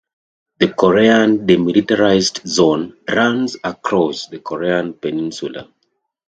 The Korean Demilitarized Zone runs across the Korean Peninsula.